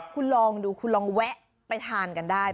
คุณลองดูคุณลองแวะไปทานกันได้